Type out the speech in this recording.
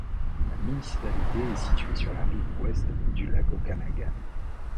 La municipalité est située sur la rive ouest du lac Okanagan.